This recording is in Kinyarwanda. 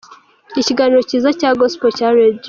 Ikiganiro cyiza cya Gospel cya Radio.